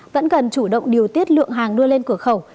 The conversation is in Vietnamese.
vẫn cần chủ động điều tiết lượng hàng đưa lên cửa khẩu